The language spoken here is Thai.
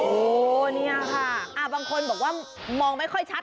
โอ้โหเนี่ยค่ะบางคนบอกว่ามองไม่ค่อยชัด